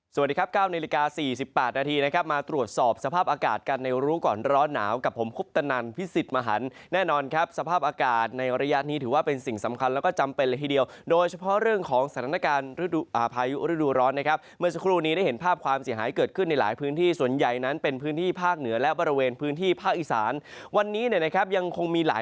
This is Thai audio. สวัสดีครับก้าวในละกา๔๘นาทีนะครับมาตรวจสอบสภาพอากาศกันในรู้ก่อนร้อนหนาวกับผมคุบตนันพิสิษฐ์มหันต์แน่นอนครับสภาพอากาศในระยะนี้ถือว่าเป็นสิ่งสำคัญแล้วก็จำเป็นเลยทีเดียวโดยเฉพาะเรื่องของสถานการณ์ภายุฤดูร้อนนะครับเมื่อสักครู่นี้ได้เห็นภาพความเสียหายเกิดขึ้นในหลาย